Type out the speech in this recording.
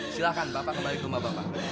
silahkan bapak kembali ke rumah bapak